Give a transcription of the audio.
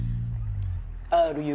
あるよ。